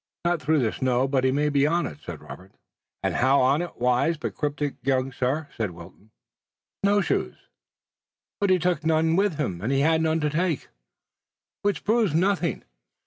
"Not through the snow, but he may be on it," said Robert. "And how on it, wise but cryptic young sir?" "Snow shoes." "But he took none with him and had none to take." "Which proves nothing.